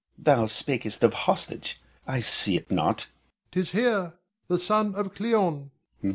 Moh'd. Thou spakest of hostage, I see it not. Ion. 'Tis here, the son of Cleon.